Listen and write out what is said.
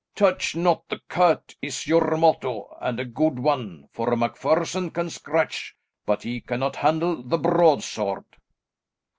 'Touch not the Cat' is your motto, and a good one, for a MacPherson can scratch but he cannot handle the broadsword."